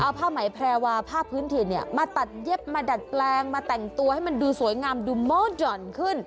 เอาผ้าไหมแพรวาผ้าพื้นถิ่นมาตัดเย็บมาดัดแปลงมาแต่งตัวให้มันดูสวยงามดูโมดหย่อนขึ้น